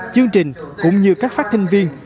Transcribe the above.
chương trình cũng như các phát hành viên